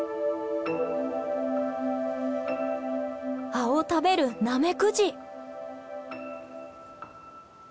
葉を食べるナメクジ。